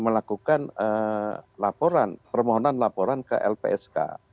melakukan laporan permohonan laporan ke lpsk